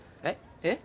えっ？